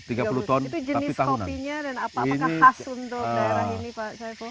itu jenis kopinya dan apakah khas untuk daerah ini pak saiful